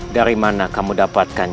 dari mana kamu dapatkan